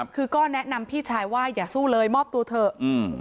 คือก็แนะนำพี่ชายว่าอย่าสู้เลยมอบตัวเถอะอืม